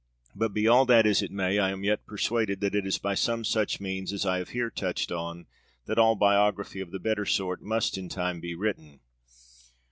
But be all that as it may, I am yet persuaded that it is by some such means as I have here touched on that all biography of the better sort must in time be written.